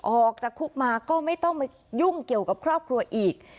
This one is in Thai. ออกจากคุกมาก็ไม่ต้องมายุ่งเกี่ยวกับครอบครัวอีก